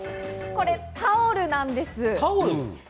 これタオルなんです。